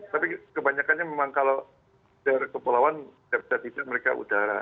tapi kebanyakannya memang kalau dari kepulauan tidak tidak mereka udara